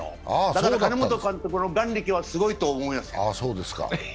だから金本監督の眼力はすごいと思います。